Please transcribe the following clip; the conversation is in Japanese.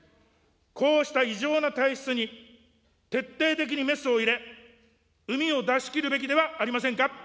こうした異常な体質に徹底的にメスを入れ、うみを出し切るべきではありませんか。